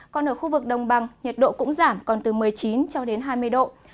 còn ở khu vực đồng bằng nhiệt độ cũng giảm còn từ một mươi chín cho đến hai mươi độ